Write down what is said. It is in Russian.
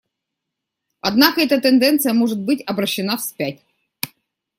Однако эта тенденция может быть обращена вспять.